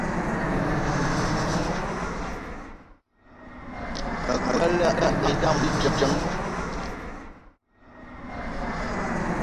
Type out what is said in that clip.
Me gbelé idam ote djeng